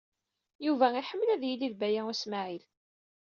Yuba iḥemmel ad yili d Baya U Smaɛil.